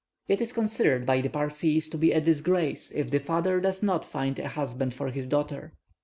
It is considered by the Parsees to be a disgrace if the father does not find a husband for his daughter.